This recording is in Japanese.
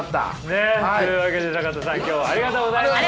ねえ。というわけで坂田さん今日はありがとうございました。